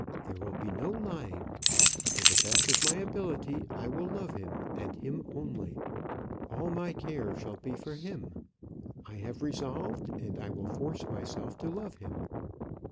There will be no lying. To the best of my ability I will love him, and him only. All my care shall be for him. I have resolved, and I will force myself to love him.